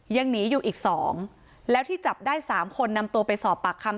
ยังหนีอยู่อีก๒แล้วที่จับได้๓คนนำตัวไปสอบปากคำ